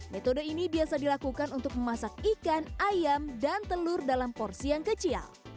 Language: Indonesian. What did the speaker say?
metode ini biasa dilakukan untuk memasak ikan ayam dan telur dalam porsi yang kecil